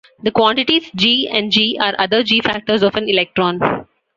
The quantities "g" and "g" are other "g"-factors of an electron.